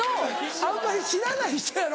あんまり知らない人やろ？